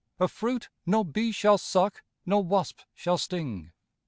A fruit no bee shall suck, No wasp shall sting.